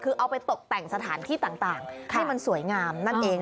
คือเอาไปตกแต่งสถานที่ต่างให้มันสวยงามนั่นเอง